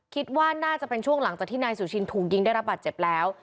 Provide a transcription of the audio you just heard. คิดว่าน่าจะเป็นช่วงหลังจากที่นายสุชินถูกยิงได้รับบาดเจ็บแล้ว